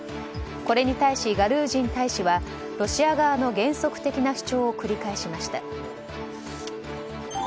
これに対し、ガルージン大使はロシア側の原則的な主張を繰り返しました。